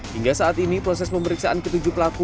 hingga saat ini proses pemeriksaan ketujuh pelaku